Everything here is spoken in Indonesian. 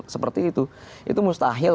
seperti itu itu mustahil